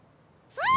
それ！